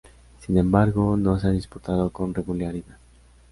Sin embargo, no se ha disputado con regularidad.